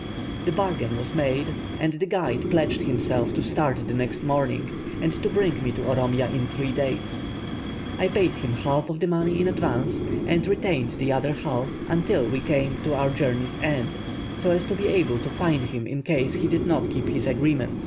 The bargain was made, and the guide pledged himself to start the next morning, and to bring me to Oromia in three days. I paid him half of the money in advance, and retained the other half until we came to our journey's end, so as to be able to fine him in case he did not keep his agreement.